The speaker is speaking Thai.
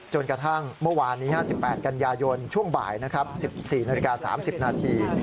จนกระทั่งเมื่อวานนี้๕๘กันยายนช่วงบ่ายนะครับ๑๔นาฬิกา๓๐นาที